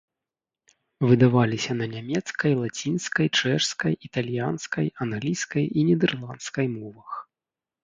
Выдаваліся на нямецкай, лацінскай, чэшскай, італьянскай, англійскай і нідэрландскай мовах.